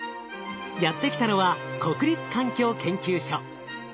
やって来たのは国立環境研究所。